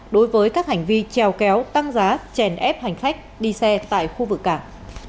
đối với các hành vi treo kéo tăng giá chèn ép hành khách đi xe tại khu vực cảng